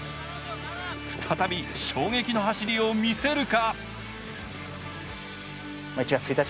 再び衝撃の走りを見せるか？